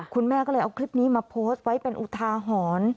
คุณแม่ก็เลยเอาคลิปนี้มาโพสต์ไว้เป็นอุทาหรณ์